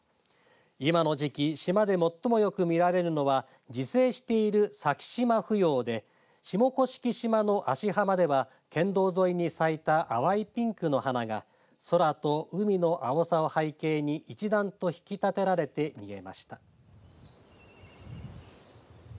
今の時期島で最もよく見られるのは自生しているサキシマフヨウで下甑島の芦浜では県道沿いに咲いた淡いピンクの花が空と海の青さを背景に一段と引き立てられて見えました。